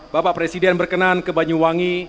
bapak presiden berkenan ke banyuwangi